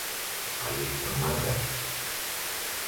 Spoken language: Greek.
Αλήθεια, Μάγκα;